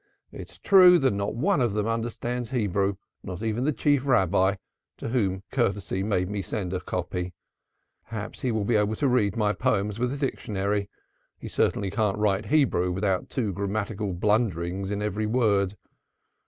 It is true that not one of them understands Hebrew, not even the Chief Rabbi, to whom courtesy made me send a copy. Perhaps he will be able to read my poems with a dictionary; he certainly can't write Hebrew without two grammatical blunders to every word.